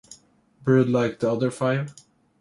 Buried like the other five?